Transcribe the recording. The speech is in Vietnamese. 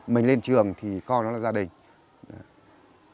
mình lên trường thì coi nó là gia đình